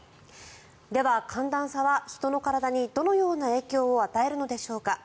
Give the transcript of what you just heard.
では寒暖差は人の体にどのような影響を与えるのでしょうか。